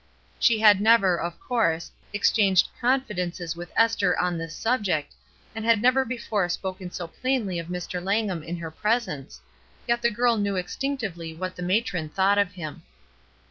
She had never, of course, exchanged con fidences with Esther on this subject, and had never before spoken so plainly of Mr. Langham in her presence, yet the girl knew instinctively what the matron thought of him.